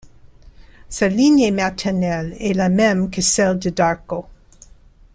Sa lignée maternelle est la même que celle de Darco.